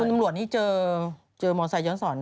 คุณตำรวจนี่เจอมอไซคย้อนสอน